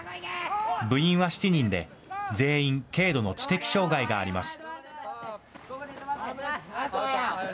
部員は７人で全員、軽度の知的障害があります。